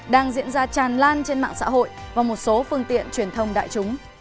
đang diễn ra tràn lan trên mạng xã hội và một số phương tiện truyền thông đại chúng